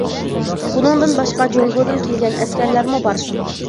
بۇنىڭدىن باشقا، جۇڭگودىن كەلگەن ئەسكەرلەرمۇ بار.